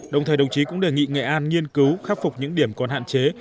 đồng thời đồng chí cũng đề nghị nghệ an nghiên cứu khắc phục những điểm còn hạn chế